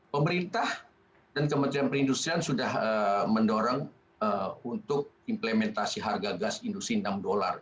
pemerintah dan kementerian perindustrian sudah mendorong untuk implementasi harga gas industri enam dolar